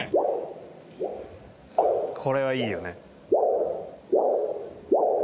これはいいよね。